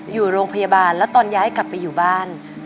อยู่โรงพยาบาลแล้วตอนย้ายกลับไปอยู่บ้าน